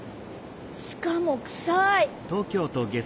しかもくさい。